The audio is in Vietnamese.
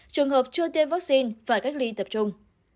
trường hợp chưa tiêm vaccine phải cách ly tập trung